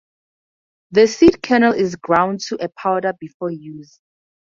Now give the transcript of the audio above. The seed kernel is ground to a powder before use.